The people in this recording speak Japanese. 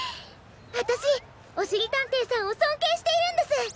わたしおしりたんていさんをそんけいしているんです。